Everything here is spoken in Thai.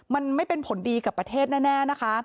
มันไม่เป็นผลดีกับประเทศแน่นะคะ